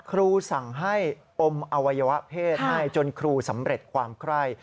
ครูสั่งให้อมอวัยวะเพศให้จนครูสำเร็จความไคร่